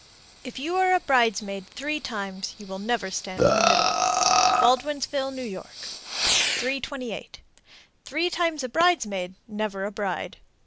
If you are a bridesmaid three times you will never stand in the middle. Baldwinsville, N.Y. 328. Three times a bridesmaid, never a bride.